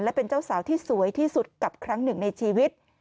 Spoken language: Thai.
และเป็นเจ้าสาวที่สวยที่สุดกับครั้งหนึ่งในชีวิต